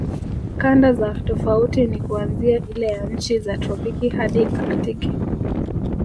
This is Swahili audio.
Kanda za tofauti ni kuanzia ile ya nchi za tropiki hadi aktiki